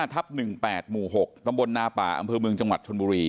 ตำบลนาปลาอัมพือเมืองจังหวัดชนบุรี